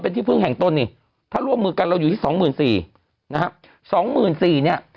เป็นที่พึ่งแห่งตนนี่ถ้าร่วมมือกันเราอยู่ที่๒๔๐๐๐๒๔๐๐๐เนี่ย